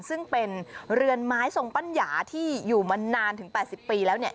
ซึ่งเป็นเรือนไม้ทรงปัญญาที่อยู่มานานถึง๘๐ปีแล้วเนี่ย